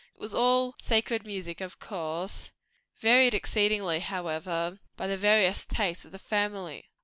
It was all sacred music, of course, varied exceedingly, however, by the various tastes of the family.